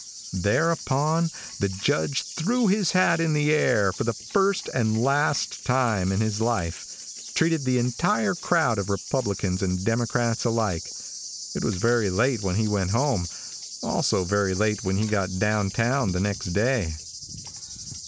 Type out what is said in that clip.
Thereupon the judge threw his hat in the air and for the first and last time in his life, treated the entire crowd of Republicans and Democrats alike. It was very late when he went home, also very late when he got down town the next day.